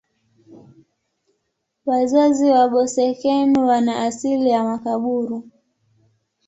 Wazazi wa Boeseken wana asili ya Makaburu.